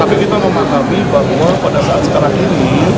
tapi kita memahami bahwa pada saat sekarang ini